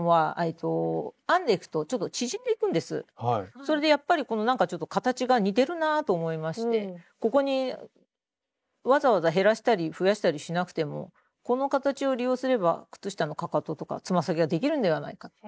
それでやっぱりなんかちょっと形が似てるなぁと思いましてここにわざわざ減らしたり増やしたりしなくてもこの形を利用すれば靴下のかかととかつま先ができるんではないか。